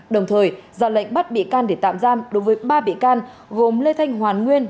đồng thời ra lệnh bắt bị can để tạm giam đối với ba bị can gồm lê thanh hoàn nguyên